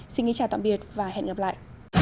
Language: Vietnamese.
xin chào tạm biệt và hẹn gặp lại